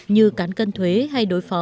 như cán cân thuế hay đối phó